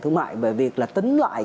thương mại về việc là tính lại